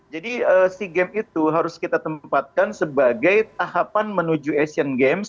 jadi si games itu harus kita tempatkan sebagai tahapan menuju asian games